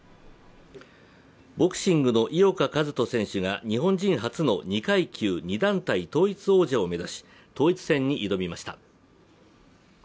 ボクシングの井岡一翔選手が日本人初の２階級２団体統一王者を目指し統一戦に臨みました。